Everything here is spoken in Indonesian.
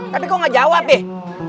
tapi kok gak jawab deh